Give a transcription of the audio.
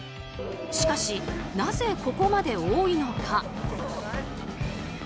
しかし、なぜここまで多いのか。